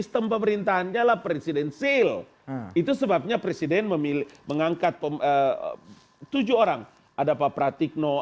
tetap bersama kami